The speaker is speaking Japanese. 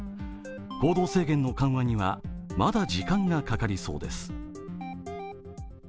行動制限の緩和にはまだ時間がかかりそうです。